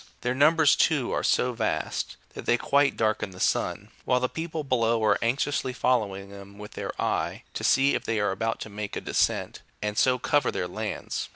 Their numbers, too, are so vast, that they quite darken the sun ; while the people below are anxiously following them with the eye, to see if they are about to make a descent, and so cover their lands.